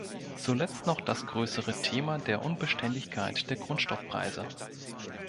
Zuletzt noch das größere Thema der Unbeständigkeit der Grundstoffpreise.